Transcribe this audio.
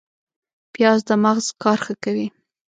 پیاز د مغز کار ښه کوي